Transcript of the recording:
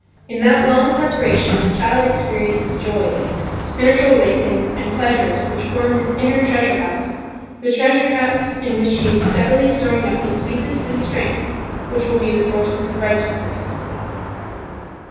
In that long preparation, the child experiences joys, spiritual awakenings and pleasures which form his inner treasure house–the treasure house in which he is steadily storing up the sweetness and strength which will be the sources of righteousness.